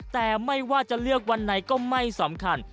แต่ไม่ว่าจะเลือกวันไหนก็ไม่สำคัญ